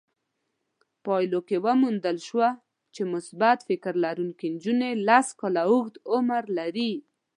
پايلو کې وموندل شوه چې مثبت فکر لرونکې نجونې لس کاله اوږد عمر لري.